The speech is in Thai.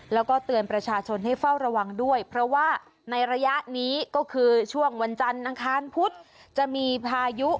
แล้วก็เตือนประชาชนให้เฝ้าระวังด้วยเพราะว่าในระยะนี้ก็คือช่วงวันจันทร์อังคารพุธจะมีพายุ